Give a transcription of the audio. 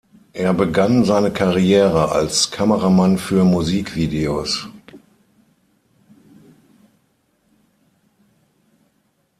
Er begann seine Karriere als Kameramann für Musikvideos.